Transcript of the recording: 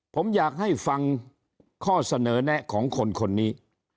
ผมอยากให้ฟังข้อเสนอแนะของคนคนนี้